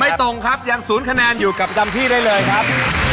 ตรงครับยัง๐คะแนนอยู่กับจำพี่ได้เลยครับ